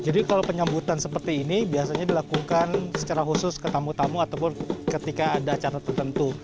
jadi kalau penyambutan seperti ini biasanya dilakukan secara khusus ke tamu tamu ataupun ketika ada acara tertentu